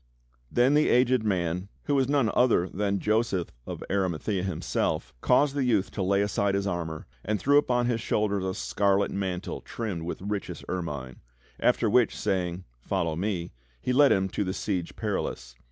Then the aged man, who was none other than Joseph of Ari mathaea himself, caused the youth to lay aside his armor, and threw upon his shoulders a scarlet mantle trimmed with richest ermine; after which, saying, "Follow me," he led him to the Siege Perilous.